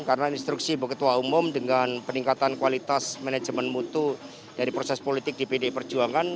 karena instruksi ibu kota umum dengan peningkatan kualitas manajemen mutu dari proses politik di pdi perjuangan